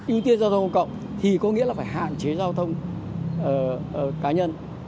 ưu tiên giao thông công cộng thì có nghĩa là phải hạn chế giao thông cá nhân